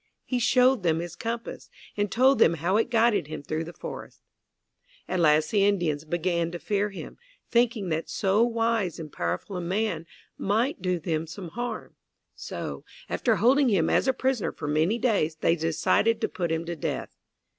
He showed them his compass and told them how it guided him through the forest. At last the Indians began to fear him, thinking that so wise and powerful a man might do them some harm. So, after holding him as a prisoner for many days, they decided to put him to death.